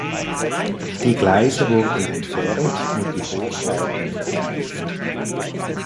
Die Gleise wurden entfernt und die Hochbauten verkauft.